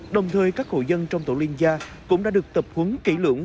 đồng thời các hộ dân trong tổ liên gia cũng đã được tập huấn kỹ lưỡng